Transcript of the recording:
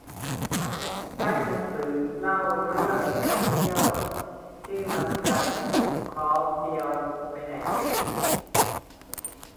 ไอ้หนังสือเล่าเรื่องไปเที่ยว ชื่อมันจะคล้องเจียวไปไหน